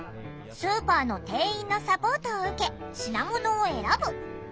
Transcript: スーパーの店員のサポートを受け品物を選ぶ。